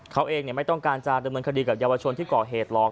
เขาเองไม่ต้องการจะดำเนินคดีกับเยาวชนที่ก่อเหตุหรอก